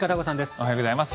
おはようございます。